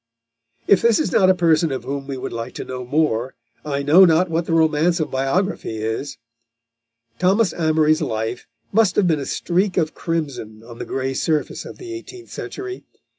If this is not a person of whom we would like to know more, I know not what the romance of biography is. Thomas Amory's life must have been a streak of crimson on the grey surface of the eighteenth century.